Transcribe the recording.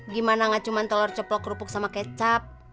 gimana gak cuma telur ceplok kerupuk sama kecap